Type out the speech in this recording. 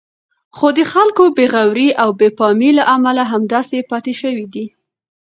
خو د خلکو بې غورئ او بې پامۍ له امله همداسې پاتې شوی دی.